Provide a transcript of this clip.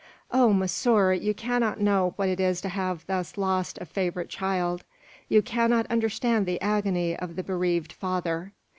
"Oh, monsieur, you cannot know what it is to have thus lost a favourite child! you cannot understand the agony of the bereaved father!"